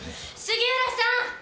杉浦さん！